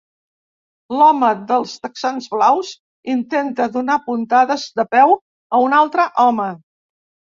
L'home dels texans blaus intenta donar puntades de peu a un altre home.